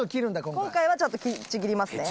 今回はちょっとちぎりますね。